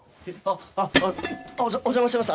あっ痛っお邪魔してます